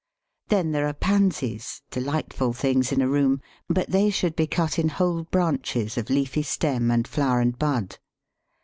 Then there are Pansies, delightful things in a room, but they should be cut in whole branches of leafy stem and flower and bud.